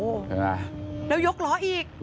ก็นี่ไงเขาก็บรรยากาศนี้นะครับ